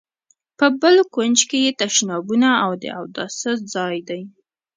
په بل کونج کې یې تشنابونه او د اوداسه ځای دی.